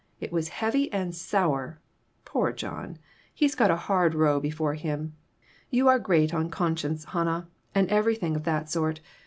It was heavy and sour. Poor John ! He's got a hard row before him. You are great on conscience, Hannah, and every thing of that sort.